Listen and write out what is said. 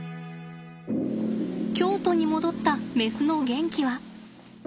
京都に戻ったメスのゲンキは。